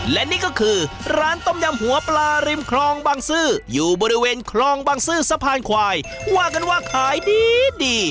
และนี่ก็คือร้านต้มยำหัวปลาริมคลองบางซื่ออยู่บริเวณคลองบางซื่อสะพานควายว่ากันว่าขายดีดี